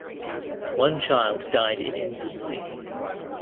One child died in infancy.